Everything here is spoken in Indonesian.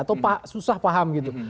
atau susah paham gitu